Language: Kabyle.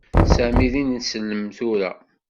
Sami d ineslem tura.